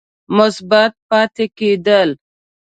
مثبت پاتې کېد ل